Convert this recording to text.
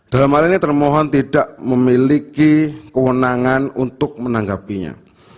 dalam hal ini termohon tidak memiliki kewenangan untuk menanggapinya